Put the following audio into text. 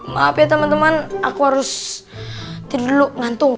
maaf ya temen temen aku harus tidur dulu ngantung